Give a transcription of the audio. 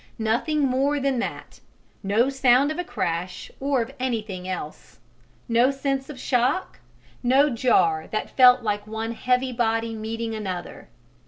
Nothing more than that no sound of a crash or of anything else: no sense of shock, no jar that felt like one heavy body meeting another.